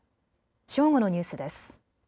正午のニュースです。